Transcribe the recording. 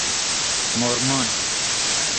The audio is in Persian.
مورمون